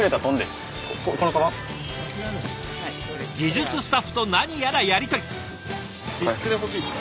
技術スタッフと何やらやり取り。